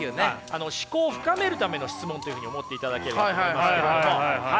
思考を深めるための質問というふうに思っていただければと思いますけれども。